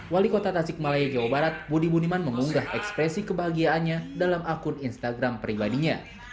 wali kota tasik malaya jawa barat budi buniman mengunggah ekspresi kebahagiaannya dalam akun instagram pribadinya